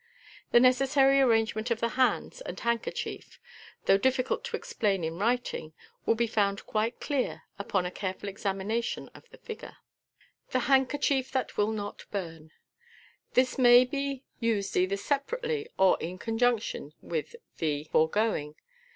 The necessary arrange ment of the hands and handkerchief, though difficult to explain in writing, will be found quite clear upon a careful examination of the risure. Fig. 107. The Handkerchief that will not Burn. — This may be dsed either separately or in conjunction with the toregoing.